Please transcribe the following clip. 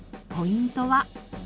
ポイントは。